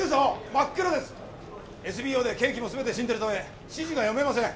ＳＢＯで計器も全て死んでるため指示が読めません。